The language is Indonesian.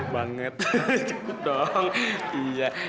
banget cukup dong iya